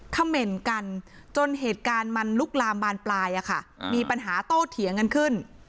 เขม่นกันจนเหตุการณ์มันลุกลามบานปลายมีปัญหาโตเถียงกันขึ้น